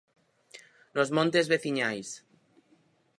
Nos montes veciñais.